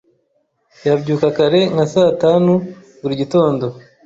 Yabyuka kare nka saa tanu buri gitondo.